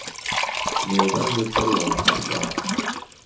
نێوبانگت بڕوا عهبداڵ